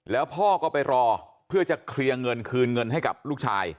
แล้วพ่อก็ไปรอเพื่อจะเคลียร์เงินคืนเงินให้กับลูกชาย